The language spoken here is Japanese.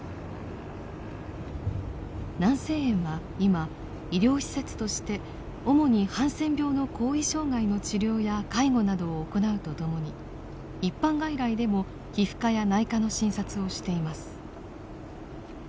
南静園は今医療施設として主にハンセン病の後遺障害の治療や介護などを行うとともに一般外来でも皮膚科や内科の診察をしています。